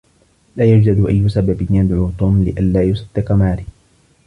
لا يوجد أي سبب يدعو توم لئلا يصدق ماري.